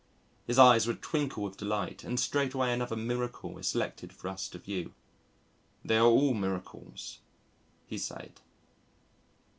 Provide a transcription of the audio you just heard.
His eyes would twinkle with delight and straightway another miracle is selected for us to view. "They are all miracles," he said.